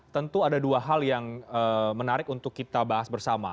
tentu ada dua hal yang menarik untuk kita bahas bersama